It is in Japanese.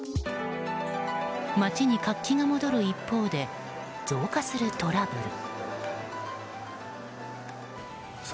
街に活気が戻る一方で増加するトラブル。